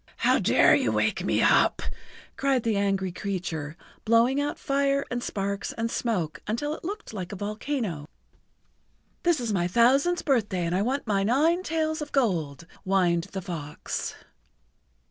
"How dare you wake me up?" cried the angry creature, blowing out fire and sparks and smoke until it looked like a volcano. "This is my thousandth birthday, and I want my nine tails of gold," whined the fox.